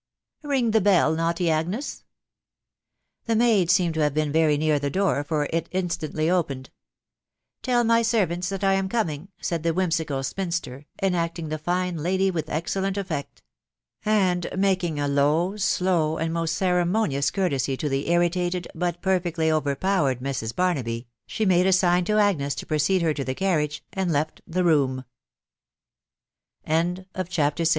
Ring the bell naughty Agnes !" The maid seemed to have been very near the door, for it instantly opened. Tell my servants that I am coming," said the whimsical spinster, enacting the fine lady with excellent effect ; and making s low, slow, and most ceremonious courtesy to the irritated, but perfectly overpowered Mrs. Barnaby, she made a sign to Agnes to precede her to the carriage, and le